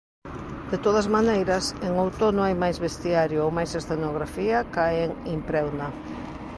De todas maneiras, en Outono hai máis vestiario ou máis escenografía ca en Impreuna.